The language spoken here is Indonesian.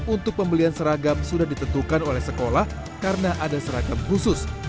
untuk pembelian seragam sudah ditentukan oleh sekolah karena ada seragam khusus